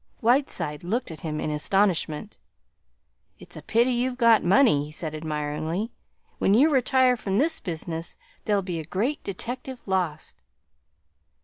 Whiteside looked at him in astonishment. "It's a pity you've got money," he said admiringly. "When you retire from this business there'll be a great detective lost."